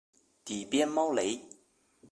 底边猫雷！